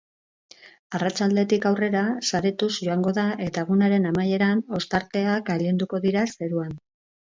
Arratsaldetik aurrera saretuz joango da eta egunaren amaieran ostarteak gailenduko dira zeruan.